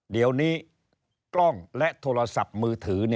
เดี๋ยวนี้กล้องและโทรศัพท์มือถือ